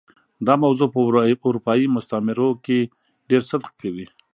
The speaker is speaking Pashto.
دا موضوع په اروپايي مستعمرو کې ډېر صدق کوي.